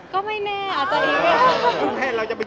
ก็ไม่แน่อาจจะยืนไป